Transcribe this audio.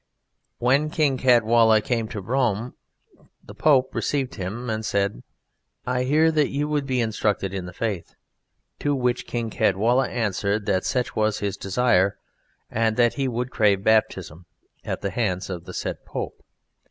When King Caedwalla came to Rome the Pope received him and said: "I hear that you would be instructed in the Faith." To which King Caedwalla answered that such was his desire, and that he would crave baptism at the hands of the said Pope.